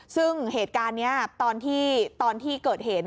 ซึ่งเหตุการณ์นี้ตอนที่เกิดเหตุ